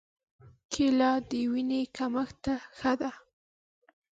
کېله د وینې کمښت ته ښه ده.